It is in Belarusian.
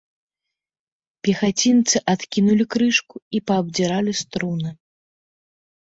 Пехацінцы адкінулі крышку і паабдзіралі струны.